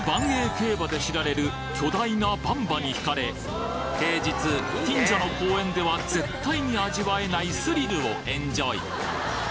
競馬で知られる巨大なばん馬に引かれ平日近所の公園では絶対に味わえないスリルをエンジョイ